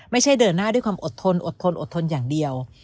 ไม่ใช่เดินหน้าด้วยความอดทนอดทนอดทนอย่างเดียว